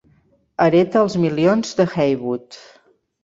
Hereta els milions d'Heywood.